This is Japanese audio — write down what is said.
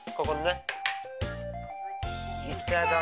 ここでね。